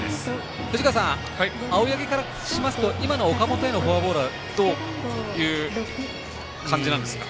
藤川さん、青柳からしますと今の岡本へのフォアボールはどういう感じなんですか。